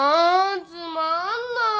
つまんない。